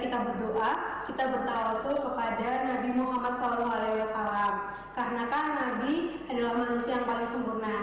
karena kan nabi adalah manusia yang paling sempurna